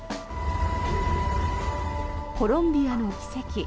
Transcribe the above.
コロンビアの奇跡。